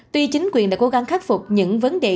tuy chính quyền đã cố gắng khắc phục những vấn đề